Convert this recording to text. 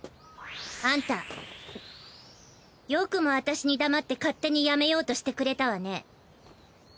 アンタよくも私に黙って勝手にやめようとしてくれたわね。